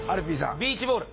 ビーチボール！